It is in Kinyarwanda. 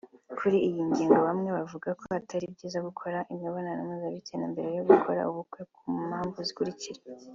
Kuri iyi ngingo bamwe bavuga ko atari byiza gukora imibonano mpuzabitsina mbere yo gukora ubukwe ku mpamvu zikurikira